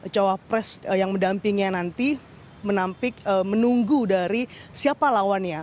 cawapres yang mendampingnya nanti menampik menunggu dari siapa lawannya